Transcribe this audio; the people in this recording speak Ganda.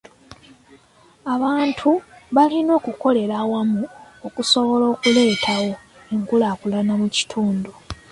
Abantu balina okukolera awamu okusobola okuleetawo enkulaakulana mu kitundu.